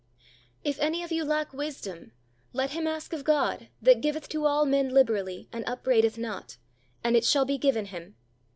If any of you lack wisdom, let him ask of God, that giveth to all men liberally, and upbraideth not; and it shall be given him.